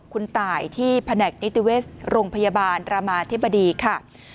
คุณตายที่แผนกนิติเวชโรงพยาบาลรามาธิบดีค่ะ